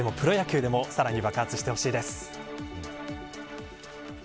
メジャーでもプロ野球でもさらに爆発してほしいです。